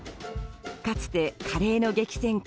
かつて、カレーの激戦区